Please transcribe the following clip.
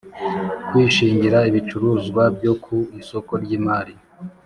kwishingira ibicuruzwa byo ku isoko ry imari